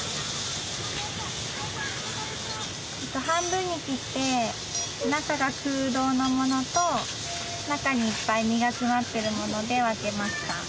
半分に切って中が空洞のものと中にいっぱい身がつまってるもので分けました。